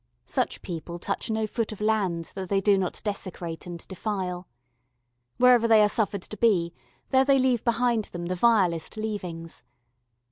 Such people touch no foot of land that they do not desecrate and defile. Wherever they are suffered to be, there they leave behind them the vilest leavings.